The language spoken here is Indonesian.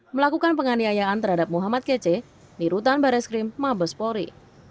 melakukan penganiayaan terhadap muhammad kece di rutan barreskrim mabespori